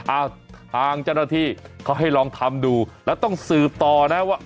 อ่ะทางเจ้าหน้าที่เขาให้ลองทำดูแล้วต้องสืบต่อนะว่า